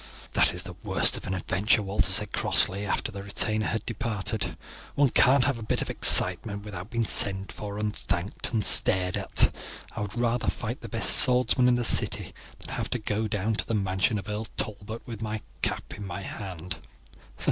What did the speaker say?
"That is the worst of an adventure," Walter said crossly, after the retainer had departed. "One can't have a bit of excitement without being sent for, and thanked, and stared at. I would rather fight the best swordsman in the city than have to go down to the mansion of Earl Talbot with my cap in my hand."